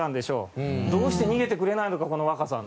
「どうして逃げてくれないのかこの若さん」。